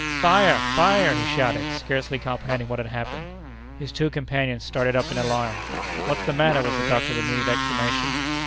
"Fire! fire!" he shouted, scarcely comprehending what had happened. His two companions started up in alarm. "What's the matter?" was the doctor's immediate exclamation.